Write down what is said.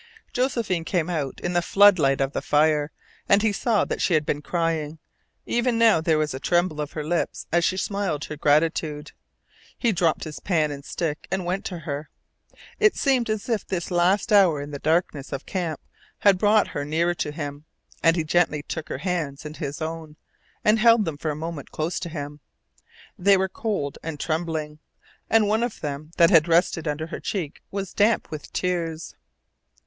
Josephine came out full in the flood light of the fire, and he saw that she had been crying. Even now there was a tremble of her lips as she smiled her gratitude. He dropped his pan and stick, and went to her. It seemed as if this last hour in the darkness of camp had brought her nearer to him, and he gently took her hands in his own and held them for a moment close to him. They were cold and trembling, and one of them that had rested under her cheek was damp with tears.